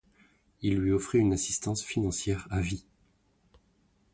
Il lui offrit une assistance financière à vie.